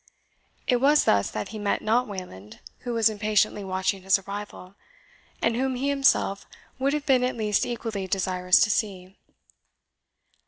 It was thus that he met not Wayland, who was impatiently watching his arrival, and whom he himself would have been at least equally desirous to see.